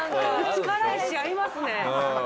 力石合いますね。